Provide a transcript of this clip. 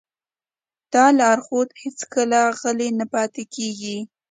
دا لارښود هېڅکله غلی نه پاتې کېږي.